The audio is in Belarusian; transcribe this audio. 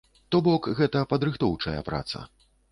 То бок гэта падрыхтоўчая праца.